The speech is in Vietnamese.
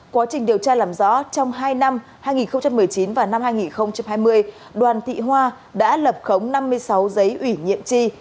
quá trình điều tra làm rõ trong hai năm hai nghìn một mươi chín và năm hai nghìn hai mươi đoàn thị hoa đã lập khống năm mươi sáu giấy ủy nhiệm tri